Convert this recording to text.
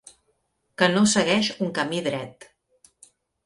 Que no segueix un camí dret.